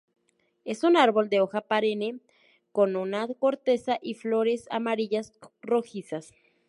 Es un árbol de hoja perenne con una corteza y flores amarillo rojizas.